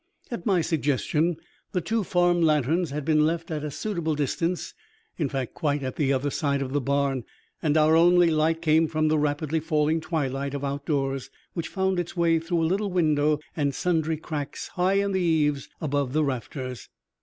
At my suggestion, the two farm lanterns had been left at a suitable distance, in fact, quite at the other side of the barn, and our only light came from the rapidly falling twilight of outdoors, which found its way through a little window and sundry cracks high in the eaves above the rafters.